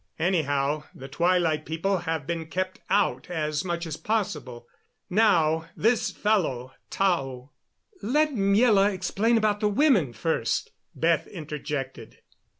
Anyhow, the Twilight People have been kept out as much as possible. Now this fellow Tao " "Let Miela explain about the women first," Beth interjected.